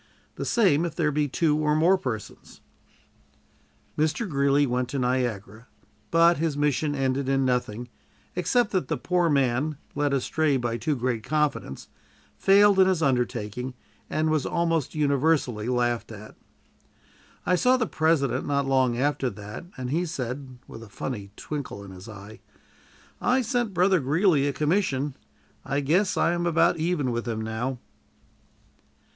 The same, if there be two or more persons." Mr. Greeley went to Niagara, but his mission ended in nothing, except that the poor man, led astray by too great confidence, failed in his undertaking, and was almost universally laughed at. I saw the President not long after that, and he said, with a funny twinkle in his eye: "I sent Brother Greeley a commission. I guess I am about even with him now."